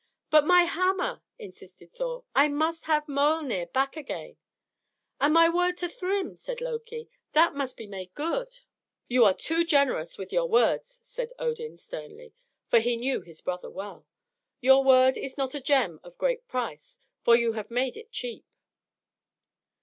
"But my hammer," insisted Thor. "I must have Miölnir back again." "And my word to Thrym," said Loki, "that must be made good." "You are too generous with your words," said Odin sternly, for he knew his brother well. "Your word is not a gem of great price, for you have made it cheap."